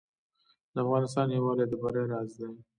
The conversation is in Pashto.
د افغانستان یووالی د بری راز دی